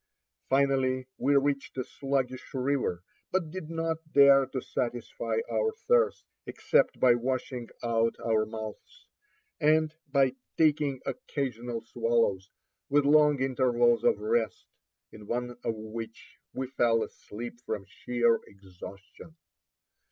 Finally we reached a sluggish river, but did not dare to satisfy our thirst, except by washing out our mouths, and by taking occasional swallows, with long intervals of rest, in one of which we fell asleep from sheer exhaustion.